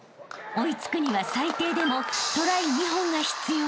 ［追い付くには最低でもトライ２本が必要］